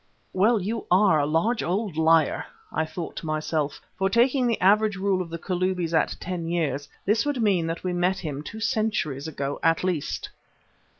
"Well, you are a large old liar," I thought to myself, for, taking the average rule of the Kalubis at ten years, this would mean that we met him two centuries ago at least.